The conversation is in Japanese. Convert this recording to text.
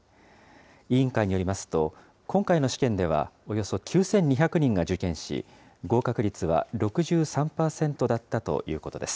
委員会によりますと、今回の試験では、およそ９２００人が受験し、合格率は６３％だったということです。